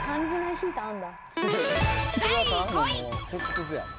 第５位。